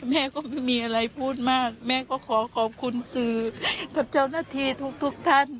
แม่ก็ไม่มีอะไรพูดมากแม่ก็ขอขอบคุณสื่อกับเจ้าหน้าที่ทุกท่าน